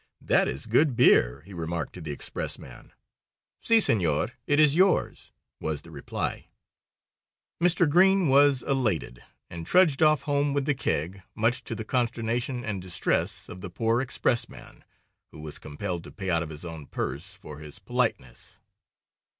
"That is good beer," he remarked to the express man. "Si, senor! It is yours," was the reply. Mr. Green was elated, and trudged off home with the keg, much to the consternation and distress of the poor express man, who was compelled to pay out of his own purse for his politeness.